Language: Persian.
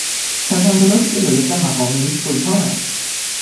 تجملاتی که لایق مقام یک سلطان است